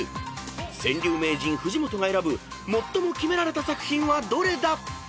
［川柳名人藤本が選ぶ最もキメられた作品はどれだ⁉］